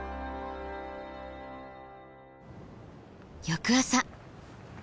翌朝。